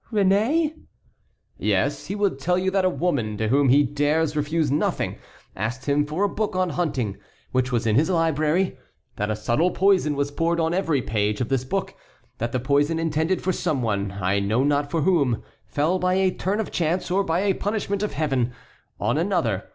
"Réné?" "Yes; he would tell you that a woman to whom he dares refuse nothing asked him for a book on hunting which was in his library; that a subtle poison was poured on every page of this book; that the poison intended for some one, I know not for whom, fell by a turn of chance, or by a punishment of Heaven, on another.